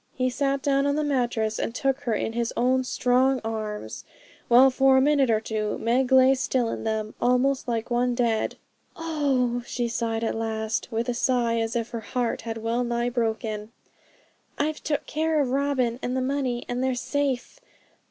He sat down on the mattress and took her in his own strong arms, while for a minute or two Meg lay still in them, almost like one dead. 'Oh!' she said at last, with a sigh as if her heart had well nigh broken, 'I've took care of Robin and the money, and they're safe.